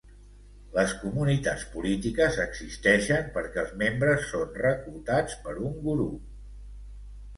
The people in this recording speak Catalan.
Les comunitats polítiques existeixen perquè els membres són reclutats per un gurú.